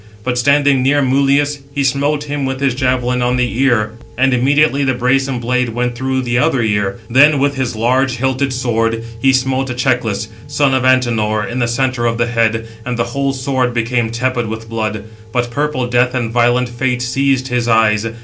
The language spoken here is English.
But standing near Mulius, he smote him with his javelin on the ear, and immediately the brazen blade went through the other ear. Then, with his large hilted sword, he smote Echeclus, son of Antenor, in the centre of the head, and the whole sword became tepid with blood; but purple Death and violent Fate seized his eyes.